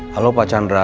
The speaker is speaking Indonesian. halo pak chandra